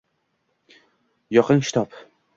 «Yoqing shitob